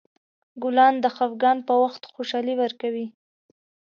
ګلان د خفګان په وخت خوشحالي ورکوي.